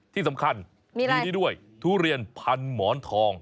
ที่สำคัญมีนี่ด้วยทุเรียนพันหมอนทอง